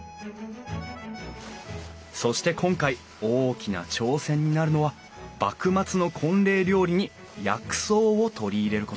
そして今回大きな挑戦になるのは幕末の婚礼料理に薬草を取り入れること。